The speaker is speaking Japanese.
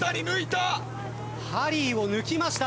ハリーを抜きました。